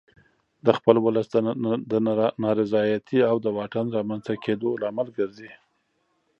د خپل ولس د نارضایتي او د واټن رامنځته کېدو لامل ګرځي.